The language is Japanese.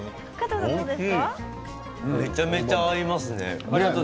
めちゃめちゃ合いますね。